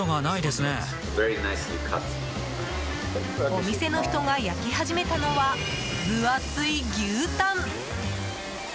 お店の人が焼き始めたのは分厚い牛タン。